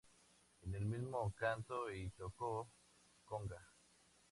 En el mismo cantó y tocó conga.